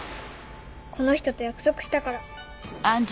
この人と約束したから。